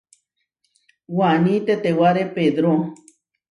Waní tetewáre Pedró.